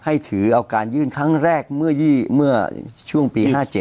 ถือเอาการยื่นครั้งแรกเมื่อช่วงปี๕๗